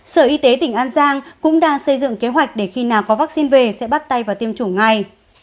sở y tế tỉnh an giang cũng đang xây dựng kế hoạch để khi nào có vaccine về sẽ bắt tay vào tiêm chủng ngay